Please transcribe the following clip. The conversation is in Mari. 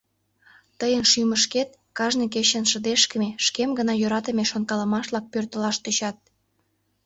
— Тыйын шӱмышкет кажне кечын шыдешкыме, шкем гына йӧратыме шонкалымаш-влак пӧртылаш тӧчат.